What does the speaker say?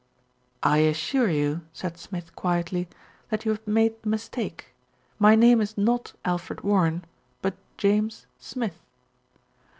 "I assure you," said Smith quietly, "that you have made a mistake. My name is not Alfred Warren; but James Smith."